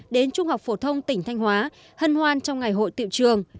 đến trung học phổ thông tỉnh thanh hóa hân hoan trong ngày hội tiệu trường